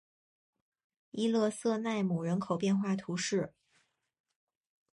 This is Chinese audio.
伊勒瑟奈姆人口变化图示